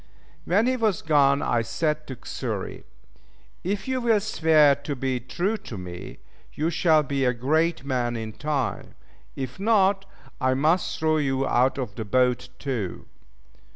When he was gone I said to Xury, "If you will swear to be true to me, you shall be a great man in time; if not, I must throw you out of the boat too."